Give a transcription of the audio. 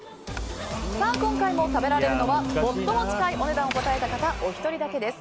今回も食べられるのは最も近いお値段を答えた方お一人だけです。